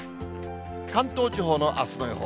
関東地方のあすの予報。